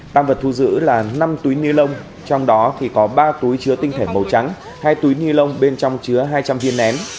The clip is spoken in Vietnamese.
tăng vật thu giữ là năm túi nilon trong đó có ba túi chứa tinh thể màu trắng hai túi nilon bên trong chứa hai trăm linh viên nén